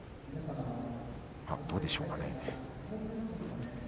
どうでしょうかね？